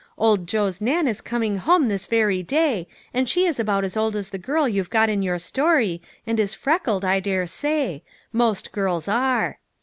Old Joe's Nan is coming home this very day, and she is about as old as the girl you've got in your story, and is freckled, I dare say ; most girls are."